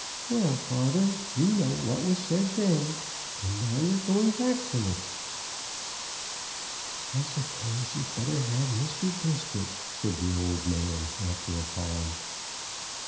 Well, father, you know what was said then, and now you're going back from it." "I suppose you'd better have Mr. Brisket," said the old man, after a pause.